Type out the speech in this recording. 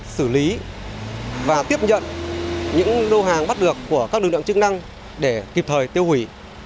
xử lý và tiếp nhận những lô hàng bắt được của các lực lượng chức năng để kịp thời tiêu hủy